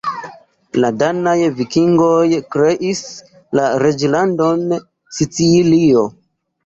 La danaj vikingoj kreis la Reĝlandon Sicilio.